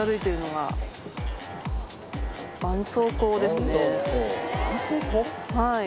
はい。